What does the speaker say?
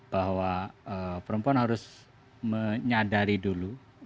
bahwa perempuan harus menyadari dulu